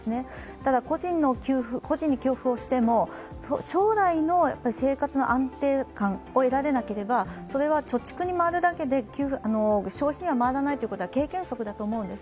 ただ、個人に給付をしても将来の生活の安定感を得られなければそれは貯蓄に回るだけで消費には回らないということは経験則だと思うんです。